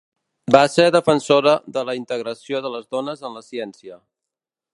Va ser defensora de la integració de les dones en la ciència.